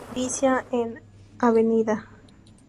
Se inicia en Av.